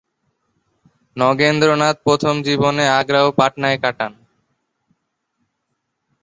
নগেন্দ্রনাথ প্রথম জীবনে আগ্রা ও পাটনায় কাটান।